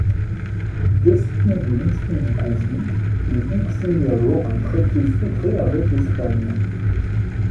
Déçu de l'issue du conflit le duc signe alors un traité secret avec l'Espagne.